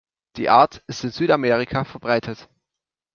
Die Art ist in Südamerika verbreitet.